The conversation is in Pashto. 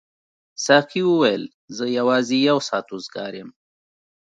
ساقي وویل زه یوازې یو ساعت وزګار یم.